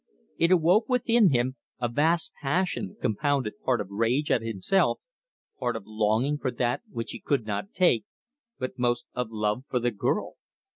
It awoke within him a vast passion compounded part of rage at himself, part of longing for that which he could not take, but most of love for the girl.